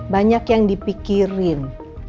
banyak yang dipikirin